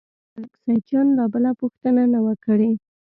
ملک سیدجان لا بله پوښتنه نه وه کړې.